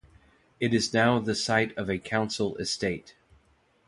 It is now the site of a council estate.